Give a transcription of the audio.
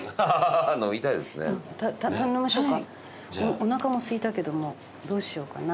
おなかもすいたけどもどうしようかな。